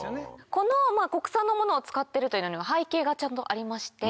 この国産のものを使ってるというのには背景がちゃんとありまして。